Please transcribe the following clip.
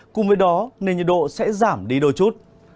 cùng với đó nền nhiệt độ sẽ giảm đi đôi chút